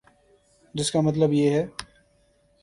جس کا مطلب یہ ہے۔